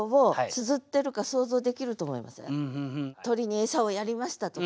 「鶏に餌をやりました」とか。